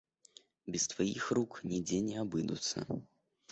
Без тваіх рук нідзе не абыдуцца.